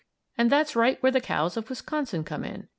And that's right where the cows of Wisconsin come in.